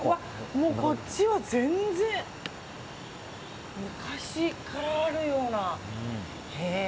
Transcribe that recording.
こっちは全然、昔からあるような。